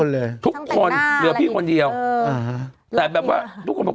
ทั้งแต่หน้าทุกคนเผื่อพี่คนเดียวอืมแต่แบบว่าทุกคนบอก